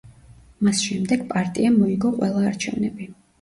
მას შემდეგ პარტიამ მოიგო ყველა არჩევნები.